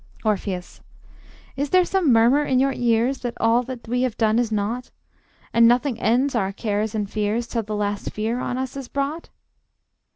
Orpheus: Is there some murmur in your ears, That all that we have done is naught, And nothing ends our cares and fears, Till the last fear on us is brought?